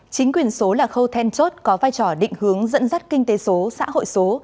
chính quyền số là khâu then chốt có vai trò định hướng dẫn dắt kinh tế số xã hội số